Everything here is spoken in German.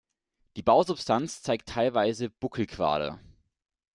Die Bausubstanz zeigt teilweise Buckelquader.